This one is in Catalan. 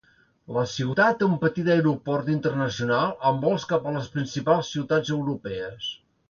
La ciutat té un petit aeroport internacional amb vols cap a les principals ciutats europees.